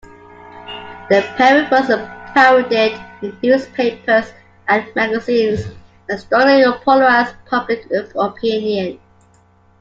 The poem was parodied in newspapers and magazines, and strongly polarized public opinion.